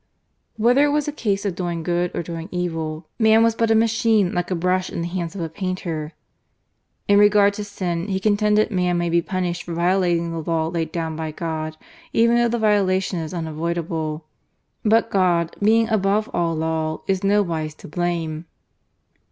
Whether it was a case of doing good or doing evil man was but a machine like a brush in the hands of a painter. In regard to sin he contended man may be punished for violating the law laid down by God even though the violation is unavoidable, but God, being above all law, is nowise to blame.